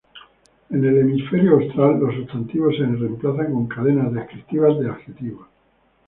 En el hemisferio austral, los sustantivos se reemplazan con cadenas descriptivas de adjetivos.